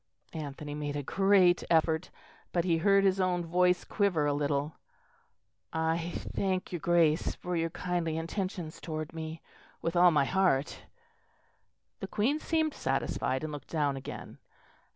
Anthony made a great effort; but he heard his own voice quiver a little. "I thank your Grace for your kindly intentions toward me, with all my heart." The Queen seemed satisfied, and looked down again.